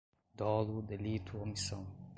dolo, delito, omissão